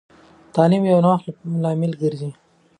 تعلیم د نوښت لامل ګرځي.